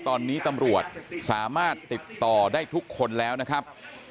ตอนนี้ตำรวจสามารถติดต่อได้ทุกคนแล้วนะครับ